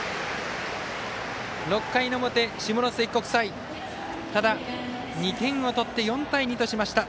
６回の表、下関国際ただ、２点を取って４対２としました。